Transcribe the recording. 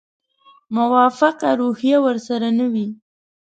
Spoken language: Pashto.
موافقه روحیه ورسره نه وي.